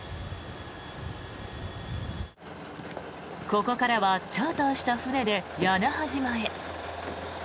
ここからはチャーターした船で屋那覇島へ。